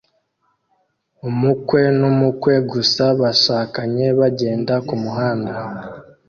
Umukwe n'umukwe gusa bashakanye bagenda kumuhanda